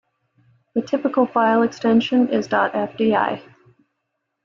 The typical file extension is ".fdi".